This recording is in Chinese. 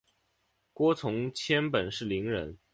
郭从谦本是伶人。